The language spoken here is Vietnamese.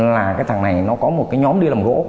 là cái thằng này nó có một cái nhóm đi làm gỗ